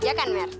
iya kan mer